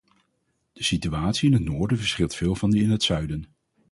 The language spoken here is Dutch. De situatie in het noorden verschilt veel van die in het zuiden.